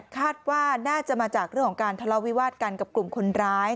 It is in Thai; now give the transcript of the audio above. คาดว่าน่าจะมาจากเรื่องของการทะเลาวิวาสกันกับกลุ่มคนร้าย